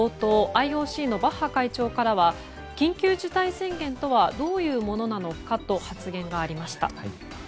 ＩＯＣのバッハ会長からは緊急事態宣言とはどういうものなのかと発言がありました。